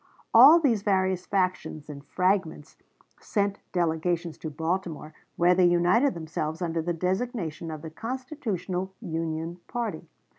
All these various factions and fragments sent delegations to Baltimore, where they united themselves under the designation of the Constitutional Union Party.